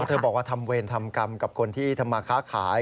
เธอบอกว่าทำเวรทำกรรมกับคนที่ทำมาค้าขาย